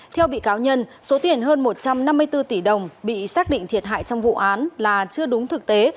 theo bị cáo nhân số tiền hơn một trăm năm mươi bốn tỷ đồng bị xác định thiệt hại trong vụ án là chưa đúng thực tế